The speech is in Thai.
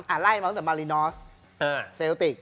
ไล่มาตั้งแต่มารินอสเซลติก